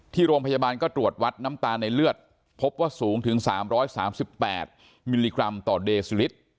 ที่โรงพยาบาลก็ตรวจวัดน้ำตาลในเลือดพบว่าสูงถึง๓๓๘มิลลิกรัมต่อเดซิลิตร